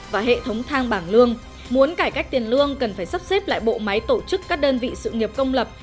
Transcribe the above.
và hệ thống thang bảng lương muốn cải cách tiền lương cần phải sắp xếp lại bộ máy tổ chức các đơn vị sự nghiệp công lập